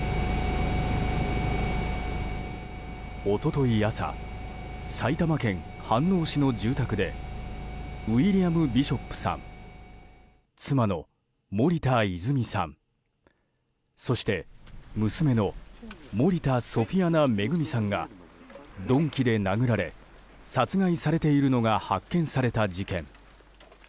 一昨日朝、埼玉県飯能市の住宅でウィリアム・ビショップさん妻の森田泉さんそして娘の森田ソフィアナ恵さんが鈍器で殴られ殺害されているのが発見された事件。